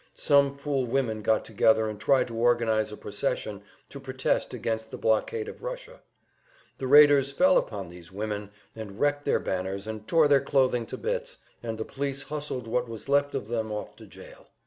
Some fool women got together and tried to organize a procession to protest against the blockade of Russia; the raiders fell upon these women, and wrecked their banners, and tore their clothing to bits, and the police hustled what was left of them off to jail.